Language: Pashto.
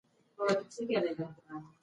سپوږمکۍ په فضا کې ګرځي.